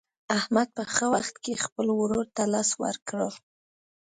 احمد په ښه وخت کې خپل ورور ته لاس ورکړ.